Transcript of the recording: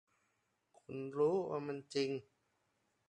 คุณรู้ ว่ามันจริง !